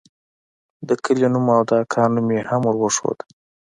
د کلي نوم او د اکا نوم مې هم وروښود.